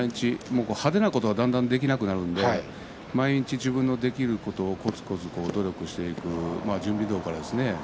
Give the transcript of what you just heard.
派手なことはだんだんできなくなるので毎日自分のできることをこつこつ努力していく準備運動からですね